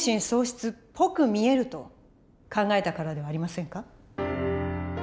喪失っぽく見えると考えたからではありませんか？